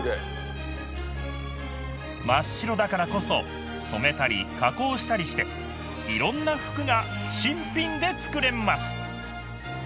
真っ白だからこそ染めたり加工したりしていろんな服が新品で作れます